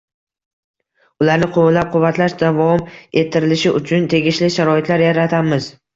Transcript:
ularni qo‘llab-quvvatlash davom ettirilishi uchun tegishli sharoitlar yaratamiz.